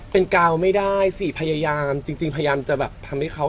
เป็นกาวไม่ได้สิพยายามจริงพยายามจะแบบทำให้เขา